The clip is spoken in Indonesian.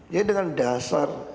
jadi dengan dasar